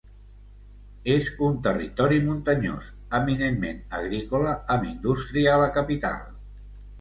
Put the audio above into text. És un territori muntanyós, eminentment agrícola, amb indústria a la capital.